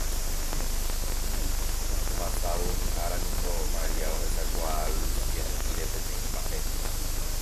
Ohasávo umi ára niko Maria ohechakuaa Luchia'íre peteĩ mba'e